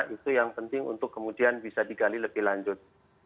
itu yang penting untuk kemudian bisa digali lebih lanjut